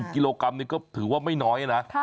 กิโลกรัมนี่ก็ถือว่าไม่น้อยนะ